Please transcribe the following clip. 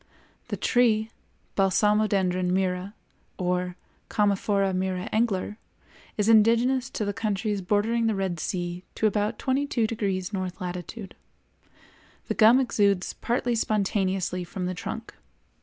The tree, Balsamodendron Myrrha (or Commiphora Myrrha Engler) is indigenous to the countries bordering the Red Sea to about 22° N. Lat.; the gum exudes partly spontaneously from the trunk.